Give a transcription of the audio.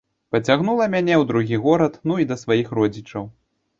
Пацягнула мяне ў другі горад, ну і да сваіх родзічаў.